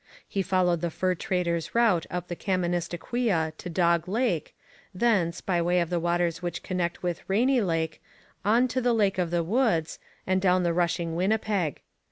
He followed the fur traders' route up the Kaministikwia to Dog Lake, thence, by way of the waters which connect with Rainy Lake, on to the Lake of the Woods, and down the rushing Winnipeg.